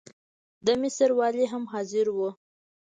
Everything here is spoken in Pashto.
د مصر والي هم حاضر وو.